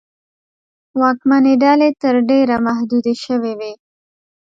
واکمنې ډلې تر ډېره محدودې شوې وې.